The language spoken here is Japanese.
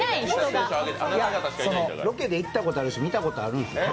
ロケで行ったことあるし見たことある。